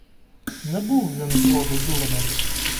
Не був він зроду дурнем.